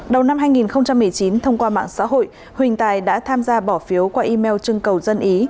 đầu năm hai nghìn một mươi chín thông qua mạng xã hội huỳnh tài đã tham gia bỏ phiếu qua email trưng cầu dân ý